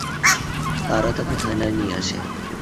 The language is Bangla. তারা তাকে থানায় নিয়ে আসে।